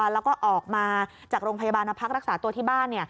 แล้วก็ออกมาจากโรงพยาบาลมาพักรักษาตัวที่บ้าน